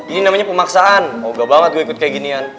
ini namanya pemaksaan oga banget gua ikut kayak ginian